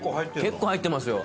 結構入ってますよ。